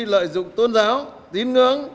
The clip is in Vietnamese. lợi dụng tôn giáo tín ngưỡng